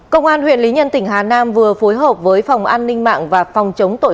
công an huyện lý nhân tỉnh hà nam vừa phối hợp với phòng an ninh mạng và phòng chống tội